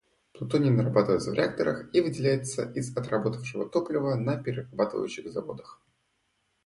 Плутоний нарабатывается в реакторах и выделяется из отработавшего топлива на перерабатывающих заводах.